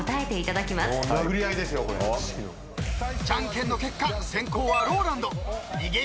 ［じゃんけんの結果先攻はＲＯＬＡＮＤ逃げきれるか？］